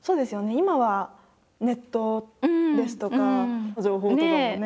今はネットですとか情報とかもね。